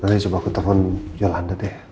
nanti coba aku telfon yolanda deh